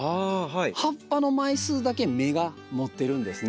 葉っぱの枚数だけ芽が持ってるんですね。